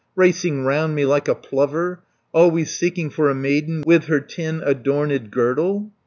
Racing round me like a plover, Always seeking for a maiden, With her tin adorned girdle?